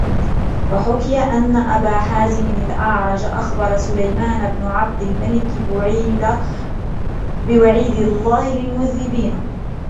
وَحُكِيَ أَنَّ أَبَا حَازِمٍ الْأَعْرَجَ أَخْبَرَ سُلَيْمَانَ بْنَ عَبْدِ الْمَلِكِ بِوَعِيدِ اللَّهِ لِلْمُذْنِبَيْنِ